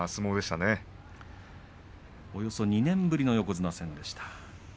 およそ２年ぶりの横綱戦でした。